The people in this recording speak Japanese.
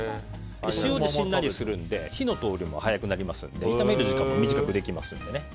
塩でしんなりするので火の通りも早くなりますので炒める時間も短くできます。